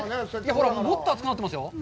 もっと熱くなってますよ！